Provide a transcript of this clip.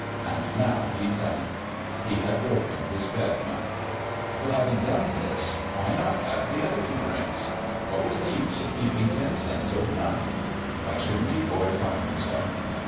And now he'd done it ! He had broken his bed money. But having done this, why not have the other two drinks ? What was the use of keeping ten cents over night ? Why shouldn't he fortify himself